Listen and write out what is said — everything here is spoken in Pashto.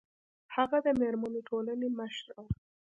هغه د میرمنو ټولنې مشره وه